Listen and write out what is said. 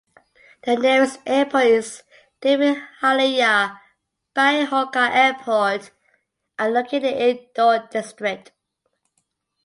The nearest airport is Devi Ahilya Bai Holkar Airport and located in Indore district.